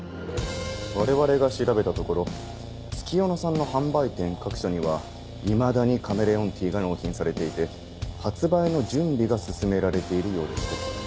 我々が調べたところ月夜野さんの販売店各所にはいまだにカメレオンティーが納品されていて発売の準備が進められているようでして。